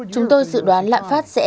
chúng tôi dự đoán lạm phát sẽ